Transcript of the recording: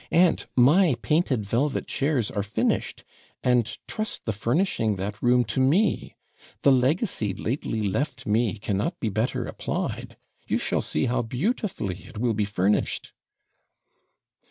Aunt, my painted velvet chairs are finished; and trust the furnishing that room to me. The legacy lately left me cannot be better applied you shall see how beautifully it will be furnished.'